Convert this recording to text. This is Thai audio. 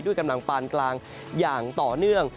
กำลังปานกลางอย่างต่อเนื่อง